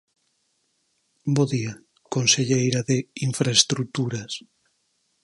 Bo día, conselleira de Infraestruturas.